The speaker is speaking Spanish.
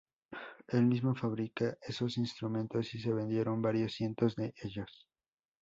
Él mismo fabricó esos instrumentos y se vendieron varios cientos de ellos.